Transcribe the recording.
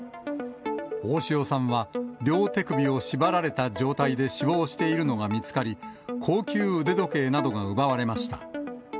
大塩さんは、両手首を縛られた状態で死亡しているのが見つかり、高級腕時計などが奪われました。